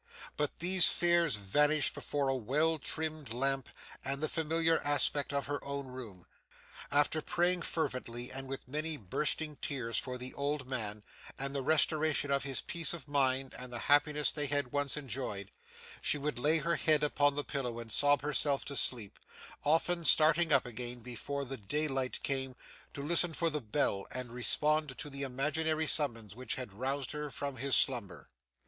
But these fears vanished before a well trimmed lamp and the familiar aspect of her own room. After praying fervently, and with many bursting tears, for the old man, and the restoration of his peace of mind and the happiness they had once enjoyed, she would lay her head upon the pillow and sob herself to sleep: often starting up again, before the day light came, to listen for the bell and respond to the imaginary summons which had roused her from her slumber.